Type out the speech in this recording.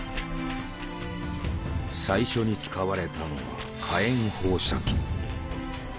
最初に使われたのは火炎放射器。